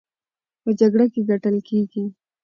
په جګړه کې ګټل کېږي،